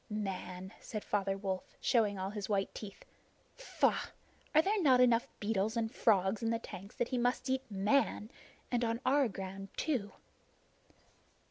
"Man!" said Father Wolf, showing all his white teeth. "Faugh! Are there not enough beetles and frogs in the tanks that he must eat Man, and on our ground too!"